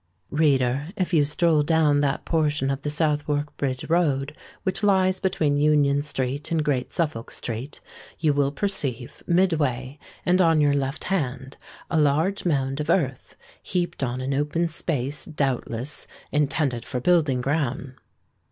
Reader, if you stroll down that portion of the Southwark Bridge Road which lies between Union Street and Great Suffolk Street, you will perceive, midway, and on your left hand, a large mound of earth heaped on an open space doubtless, intended for building ground.